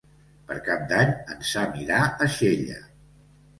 Per Cap d'Any en Sam irà a Xella.